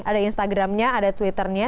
ada instagramnya ada twitternya